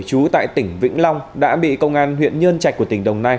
chú tại tỉnh vĩnh long đã bị công an huyện nhơn chạch của tỉnh đồng nai